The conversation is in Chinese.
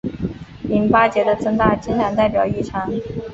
淋巴结的增大经常代表异常。